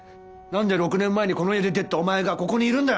なんで６年前にこの家を出て行ったお前がここにいるんだ！